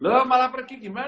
lo malah pergi gimana